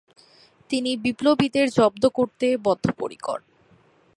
তিনি বিপ্লবীদের জব্দ করতে বদ্ধপরিকর।